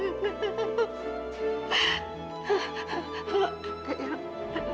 nah explains ke kita kali kala